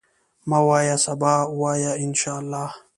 مه وایه سبا، وایه ان شاءالله.